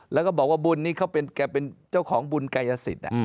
แล้วก็บอกว่าบุญนี่เขาแกเป็นเจ้าของบุญกายสิทธิ์